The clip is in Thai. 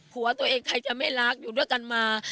ผัวตัวเองใครจะไม่รักอยู่ด้วยกันมา